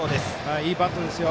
いいバントですよ。